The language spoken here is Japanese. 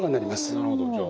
なるほどじゃあ。